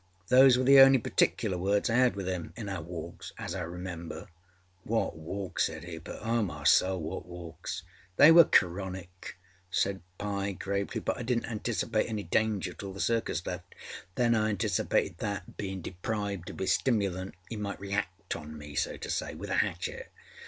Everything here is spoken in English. â Those were the only particular words I had with âim in our walks as I remember.â âWhat walks!â said Hooper. âOh my soul, what walks!â âThey were chronic,â said Pyecroft gravely, âbut I didnât anticipate any danger till the Circus left. Then I anticipated that, beinâ deprived of âis stimulant, he might react on me, so to say, with a hatchet.